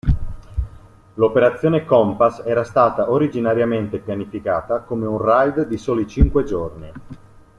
L'Operazione Compass era stata originariamente pianificata come un raid di soli cinque giorni.